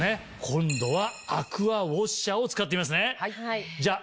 今度はアクアウォッシャーを使ってみますね。